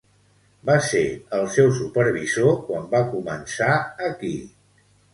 Va ser el seu supervisor quan va començar aquí.